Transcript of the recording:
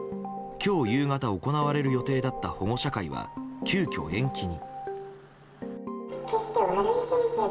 今日夕方行われる予定だった保護者会は急きょ延期に。